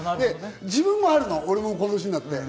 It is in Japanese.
自分もあるの、この歳になって。